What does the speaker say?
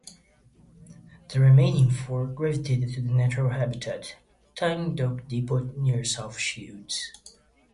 The remaining four gravitated to their natural habitat, Tyne Dock depot near South Shields.